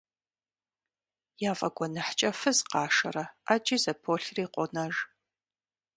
Яфӏэгуэныхькӏэ фыз къашэрэ, ӏэджи зэполъри къонэж.